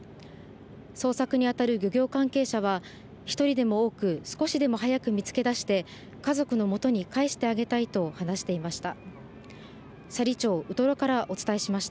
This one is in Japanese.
捜索に当たる漁業関係者は、１人でも多く、少しでも早く見つけ出して、家族のもとにかえしてあげたいと話していました。